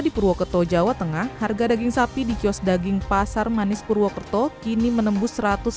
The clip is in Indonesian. di purwokerto jawa tengah harga daging sapi di kios daging pasar manis purwokerto kini menembus